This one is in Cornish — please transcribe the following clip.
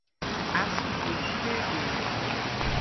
Ass owgh hwi pur guv.